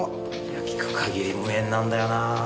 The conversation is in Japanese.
聞く限り無縁なんだよなぁ。